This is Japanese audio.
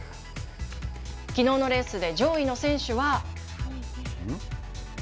きのうのレースで上位の選手は。